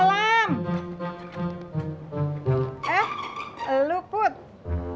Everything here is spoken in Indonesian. jangan jakan senjata bumi maria